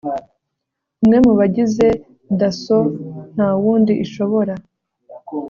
umwe mu bagize DASSO nta wundi ishobora